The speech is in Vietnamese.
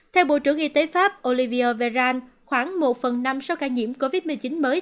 theo bộ trưởng y tế pháp olivier véran khoảng một phần năm số ca nhiễm covid một mươi chín mới